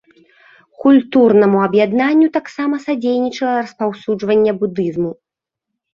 Культурнаму аб'яднанню таксама садзейнічала распаўсюджанне будызму.